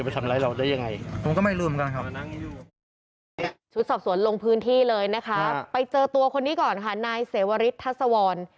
ชุดสอบสวนลงพื้นที่เลยนะคะไปเจอตัวคนนี้ก่อนค่ะนายเสวริสทัศวร